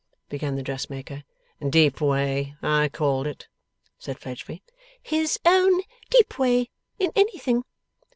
began the dressmaker. 'Deep way, I called it,' said Fledgeby. ' His own deep way, in anything?